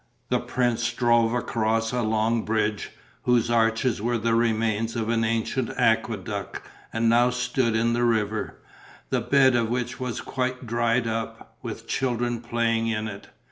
The prince drove across a long bridge, whose arches were the remains of an ancient aqueduct and now stood in the river, the bed of which was quite dried up, with children playing in it.